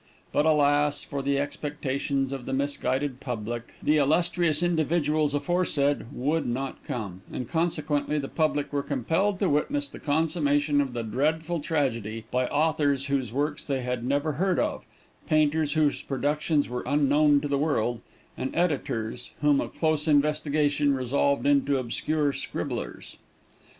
But alas for the expectations of the misguided public the illustrious individuals aforesaid would not come, and consequently the public were compelled to witness the consummation of the dreadful tragedy, by authors whose works they had never heard of; painters whose productions were unknown to the world, and editors whom a close investigation resolved into obscure scribblers.